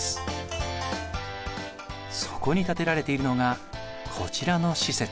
そこに建てられているのがこちらの施設。